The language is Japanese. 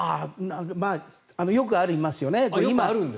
よくありますよね。